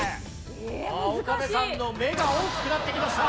岡部さんの目が大きくなってきました！